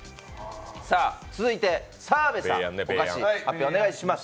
続いて澤部さん、お菓子、発表お願いします。